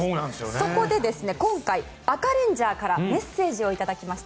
そこで今回アカレンジャーからメッセージを頂きました。